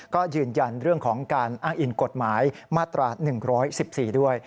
ก็ยืนยันเรื่องของการอ้างอิงกฎหมายมาตรา๑๑๔ด้วย